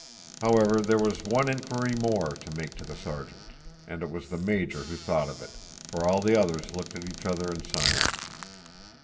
However, there was one inquiry more to make to the Sergeant; and it was the Major who thought of it, for all the others looked at each other in silence.